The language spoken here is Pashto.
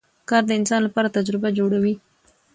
کار د انسان لپاره تجربه جوړوي